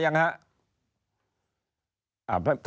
ท่านรองเข้ามาหรือยังฮะ